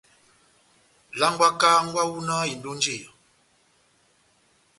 Langwaka hángwɛ wawu náh indi ó njeya.